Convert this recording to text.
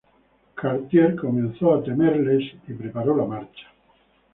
Cartier empieza a temer de ellos y preparó la marcha.